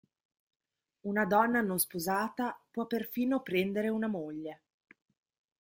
Una donna non sposata può perfino prendere una moglie.